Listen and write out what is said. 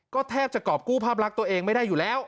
ก็แทบจะกรอบกู้ภาพลักษณ์ตัวเองไม่ได้อยู่แล้ว